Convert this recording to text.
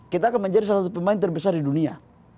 kita akan menjadi salah satu pemain terbesar di dunia